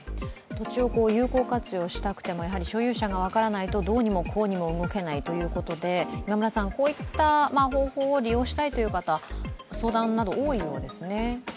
土地を有効活用したくても所有者が分からないとどうにもこうにも動けないということで、こういった方法を利用したいという方、相談も多いようですね。